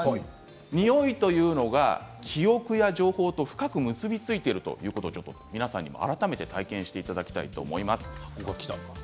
匂いというのが記憶や情報と深く結び付いているということを皆さんに改めて体験していただきたいと思います。